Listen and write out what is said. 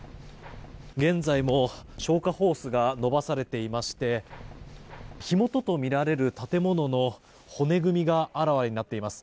現在も消火ホースが延ばされていまして火元とみられる建物の骨組みがあらわになっています。